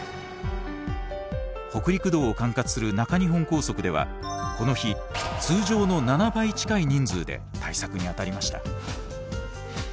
北陸道を管轄する中日本高速ではこの日通常の７倍近い人数で対策に当たりました。